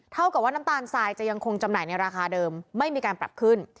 เท่ากับว่าน้ำตาลทรายจะยังคงจำหน่ายในราคาเดิมไม่มีการปรับขึ้น